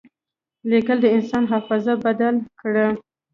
لیکل د انسان حافظه بدل کړه.